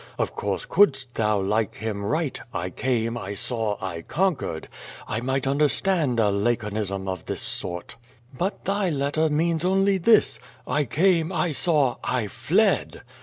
Of course, eouldst thou, like him, write, "I came, I saw, 1 conquered," I miglit understand a laconism of this sort. But thy letter means only this, "I came, I saw, I fled."